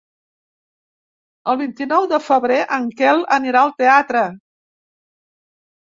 El vint-i-nou de febrer en Quel anirà al teatre.